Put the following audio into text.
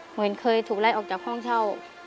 เหมือนเคยถูกไล่ออกจากห้องเช่า